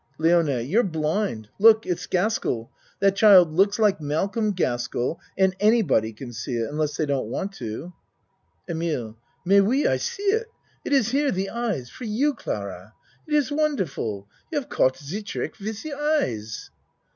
LIONE You're blind. Look it's Gaskell. That child looks like Malcolm Gaskell and any body can see it. Unless they don't want to. EMILE Mais oui! I see it. It is here, the eyes. For you Clara, it iz wonderful you haf caught ze trick wiz ze eyes.